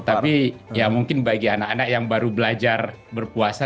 tapi ya mungkin bagi anak anak yang baru belajar berpuasa